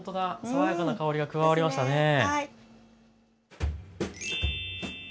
爽やかな香りが加わりましたねぇ。